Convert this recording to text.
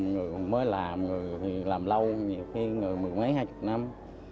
người mới làm người thì làm lâu nhiều khi người mười mấy hai chục năm